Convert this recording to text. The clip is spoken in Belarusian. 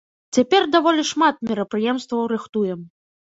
Цяпер даволі шмат мерапрыемстваў рыхтуем.